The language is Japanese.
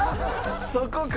そこか？